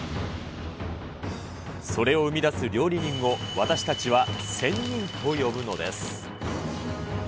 それを生み出す料理人を、私たちは、仙人と呼ぶのです。